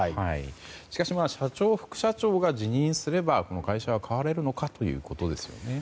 しかし社長、副社長が辞任すればこの会社は変われるのかということですよね。